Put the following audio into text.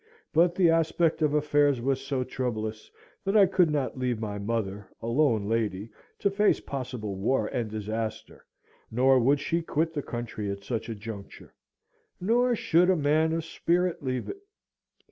But the aspect of affairs was so troublous, that I could not leave my mother, a lone lady, to face possible war and disaster, nor would she quit the country at such a juncture, nor should a man of spirit leave it.